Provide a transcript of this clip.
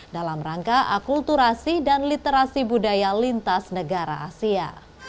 dalam rangka akulturasi dan literasi budaya lintas negara asia